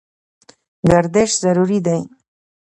ګردش ضروري دی.